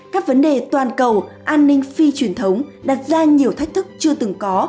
các vấn đề toàn cầu an ninh phi truyền thống đặt ra nhiều thách thức chưa từng có